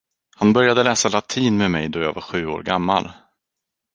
Han började läsa latin med mig då jag var sju år gammal.